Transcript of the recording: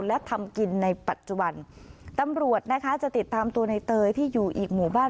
และทำกินในปัจจุบันตำรวจนะคะจะติดตามตัวในเตยที่อยู่อีกหมู่บ้าน